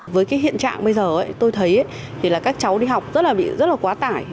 với hiện trạng bây giờ tôi thấy các cháu đi học rất quá tải